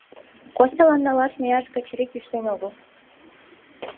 Костялан налаш мияш Качырий кӱштен огыл.